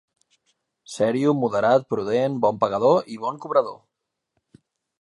Serio, moderat, prudent, bon pagador i bon cobrador